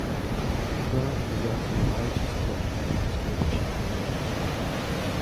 The grant was also the largest grant in the history of Chatham University.